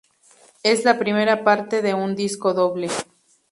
Es la primera parte de un disco doble.